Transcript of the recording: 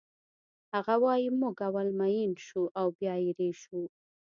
هغه وایی موږ اول مین شو او بیا ایرې شو